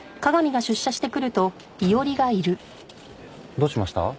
どうしました？